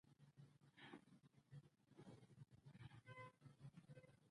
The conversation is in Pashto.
هغه ته د کار کالي ورکړئ او ډېر کار ترې مه غواړئ